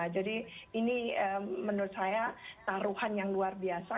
jadi ini menurut saya taruhan yang luar biasa